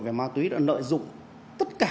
về ma túy đã nợ dụng tất cả